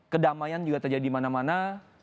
kedamaian juga terjadi mana mana